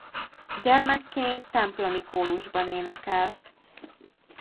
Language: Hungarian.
Gyermekként templomi kórusban énekelt.